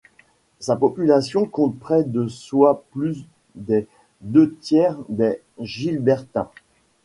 Sa population compte près de soit plus des deux tiers des Gilbertins.